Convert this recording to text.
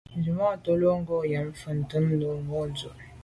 Nzwimàntô lo ghom fotmbwe ntùm mo’ dù’.